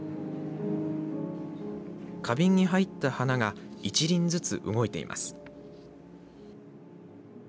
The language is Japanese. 花瓶に入った花が一輪ずつ動いています。